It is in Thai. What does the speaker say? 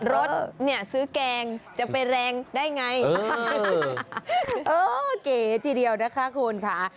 รถเนี่ยซื้อแกงจะไปแรงได้ไงเออเก๋ทีเดียวนะคะคุณค่ะ